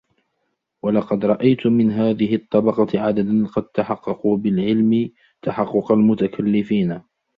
وَلَقَدْ رَأَيْت مِنْ هَذِهِ الطَّبَقَةِ عَدَدًا قَدْ تَحَقَّقُوا بِالْعِلْمِ تَحَقُّقَ الْمُتَكَلِّفِينَ